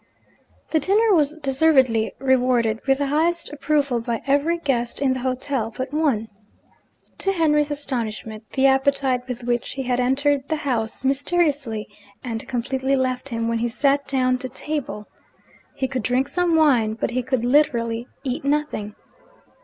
The dinner was deservedly rewarded with the highest approval by every guest in the hotel but one. To Henry's astonishment, the appetite with which he had entered the house mysteriously and completely left him when he sat down to table. He could drink some wine, but he could literally eat nothing.